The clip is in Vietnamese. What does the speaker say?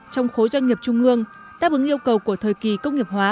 trong khối doanh nghiệp trung ương tác ứng yêu cầu của thời kỳ công nghiệp hóa